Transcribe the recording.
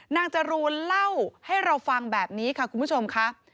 จรูนเล่าให้เราฟังแบบนี้ค่ะคุณผู้ชมค่ะ